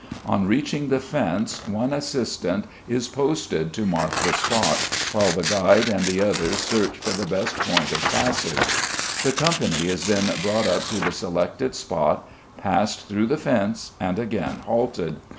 On reaching the fence one assistant is posted to mark the spot, while the guide and the others search for the best point of passage. The company is then brought up to the selected spot, passed through the fence, and again halted.